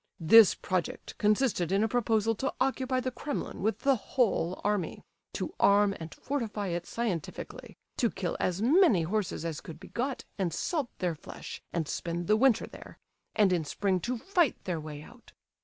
This project consisted in a proposal to occupy the Kremlin with the whole army; to arm and fortify it scientifically, to kill as many horses as could be got, and salt their flesh, and spend the winter there; and in spring to fight their way out.